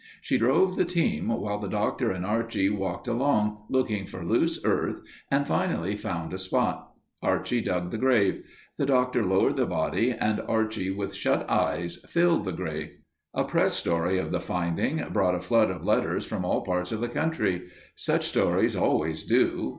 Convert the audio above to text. She drove the team while the Doctor and Archie walked along, looking for loose earth and finally found a spot. Archie dug the grave. The Doctor lowered the body and Archie with shut eyes, filled the grave. A press story of the finding brought a flood of letters from all parts of the country. Such stories always do.